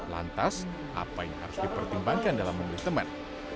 lantas apa yang harus dipertimbangkan dalam memilih teman